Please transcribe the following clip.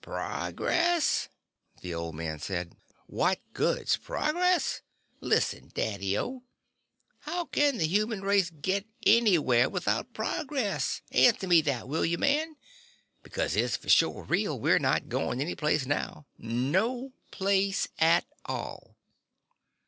"Progress?" the old man said. "What good's progress? Listen, Daddy O how can the human race get anywhere without progress? Answer me that, will you, man? Because it's for sure real we're not going any place now. No place at all."